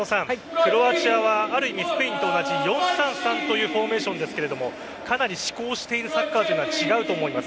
クロアチアはある意味、スペインと同じ４−３−３というフォーメーションですがかなり思考しているサッカーは違うと思います。